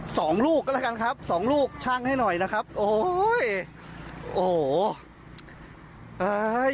สองลูกก็แล้วกันครับสองลูกชั่งให้หน่อยนะครับโอ้โหเอ้ย